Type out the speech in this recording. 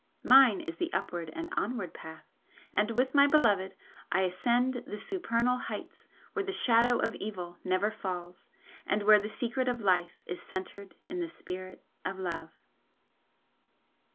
Mine is the upward and onward path and with my Beloved I ascend the supernal heights where the Shadow of Evil never falls, and where the Secret of Life is centred in the Spirit of Love.